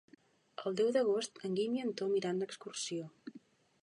El deu d'agost en Guim i en Tom iran d'excursió.